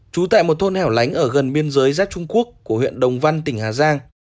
trú tại một thôn hẻo lánh ở gần biên giới giáp trung quốc của huyện đồng văn tỉnh hà giang